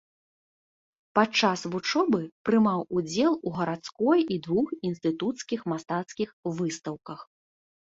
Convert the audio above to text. Падчас вучобы прымаў удзел у гарадской і двух інстытуцкіх мастацкіх выстаўках.